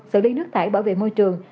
sử lý nước thải bảo vệ môi trường